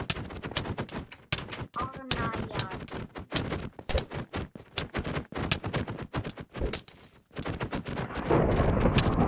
aġnaiyaat